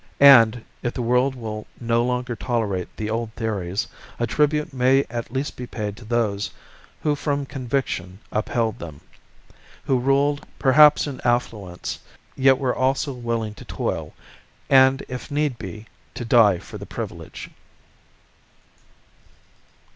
And, if the world will no longer tolerate the old theories, a tribute may at least be paid to those who from conviction upheld them; who ruled, perhaps in affluence, yet were also willing to toil and, if need be, to die for the privilege.